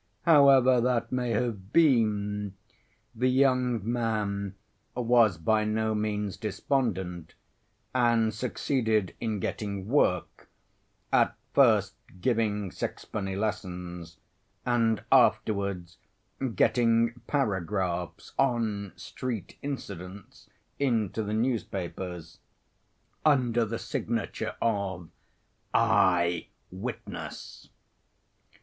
However that may have been, the young man was by no means despondent and succeeded in getting work, at first giving sixpenny lessons and afterwards getting paragraphs on street incidents into the newspapers under the signature of "Eye‐Witness."